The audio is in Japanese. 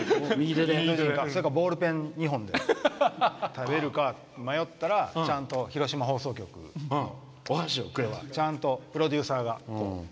それかボールペン２本で食べるか迷ったらちゃんと、広島放送局お箸を、ちゃんとプロデューサーが。